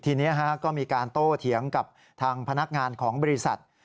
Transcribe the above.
ทีนี้ก็มีการโต้เถียงกับทางพนักงานของบริษัท